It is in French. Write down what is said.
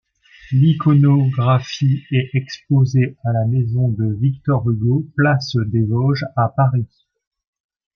L'iconographie est exposée à la Maison de Victor Hugo, place des Vosges à Paris.